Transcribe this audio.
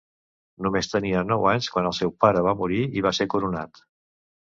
Només tenia nou anys quan el seu pare va morir i va ser coronat.